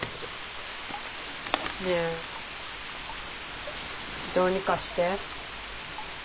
ねえどうにかして。